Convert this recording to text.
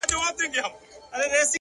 رښتیا تل بریا مومي